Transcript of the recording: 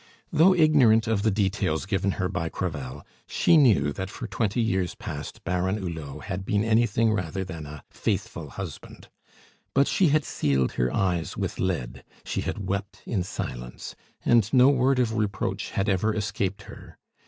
Though ignorant of the details given her by Crevel, she knew that for twenty years past Baron Hulot been anything rather than a faithful husband; but she had sealed her eyes with lead, she had wept in silence, and no word of reproach had ever escaped her.